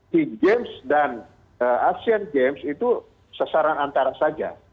sea games dan asean games itu sasaran antara saja